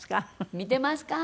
見てますか？